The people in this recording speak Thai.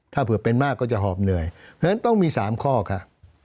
ถ้าเผื่อเป็นมากก็จะหอบเหนื่อยเพราะฉะนั้นต้องมี๓ข้อค่ะ